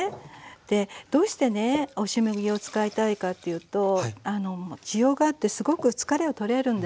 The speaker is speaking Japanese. でどうしてね押し麦を使いたいかというと滋養があってすごく疲れを取れるんですね